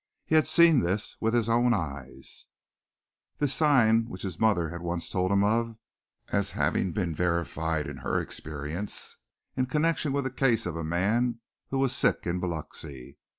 He had seen this with his own eyes, this sign which his mother had once told him of as having been verified in her experience, in connection with the case of a man who was sick in Biloxi.